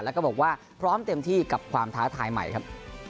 แล้วก็บอกว่าพร้อมเต็มที่กับความท้าทายใหม่ครับ